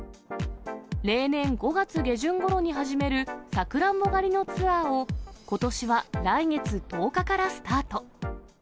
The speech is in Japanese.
例年５月下旬ごろに始めるさくらんぼ狩りのツアーを、ことしは来月１０日からスタート。